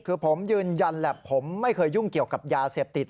คือผมยืนยันแหละผมไม่เคยยุ่งเกี่ยวกับยาเสพติด